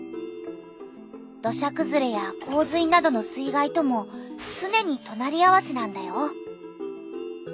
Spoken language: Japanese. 土砂くずれや洪水などの水害ともつねにとなり合わせなんだよ。